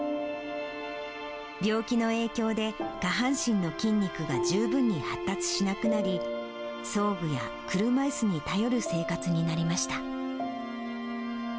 病気の影響で下半身の筋肉が十分に発達しなくなり、装具や車いすに頼る生活になりました。